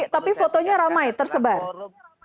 tapi fotonya ramai tersebar